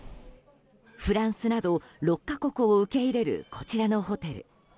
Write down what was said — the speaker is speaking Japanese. フランスなど６か国を受け入れるこちらのホテル。